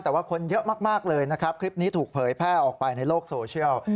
แต่ว่าคนเยอะมากเลยนะครับคลิปนี้ถูกเผยแพร่ออกไปในโลกโซเชียล